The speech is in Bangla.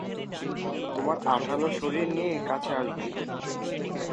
তোমার আঠালো শরীর নিয়ে কাছে আসবে না!